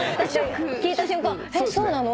聞いた瞬間えっそうなの？